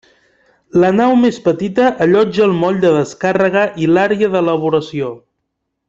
La nau més petita allotja el moll de descàrrega i l’àrea d’elaboració.